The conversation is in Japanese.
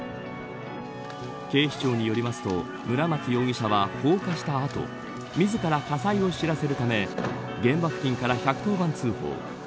警視庁によりますと村松容疑者は放火した後自ら火災を知らせるため現場付近から１１０番通報。